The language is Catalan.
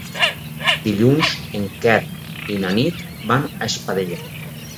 Dilluns en Quer i na Nit van a Espadella.